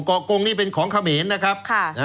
กงนี่เป็นของเขมรนะครับ